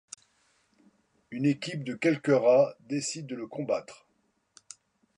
Une équipe de quelques rats décide de le combattre.